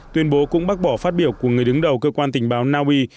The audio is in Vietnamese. tuyên bố cũng bác bỏ phát biểu của người đứng đầu cơ quan tình báo na uy